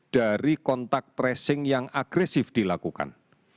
dari kontak tracing yang agresif dilakukan